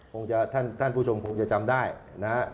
คงจะท่านผู้ชมคงจะจำได้นะครับ